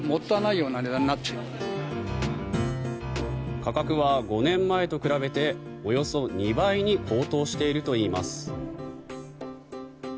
価格は５年前と比べておよそ２倍に高騰しているといいます。